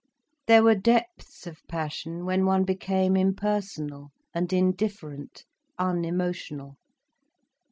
There were depths of passion when one became impersonal and indifferent, unemotional.